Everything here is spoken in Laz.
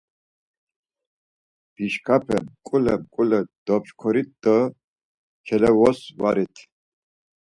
Dişkape mǩule mǩule dopşǩorit do kelavosvarit.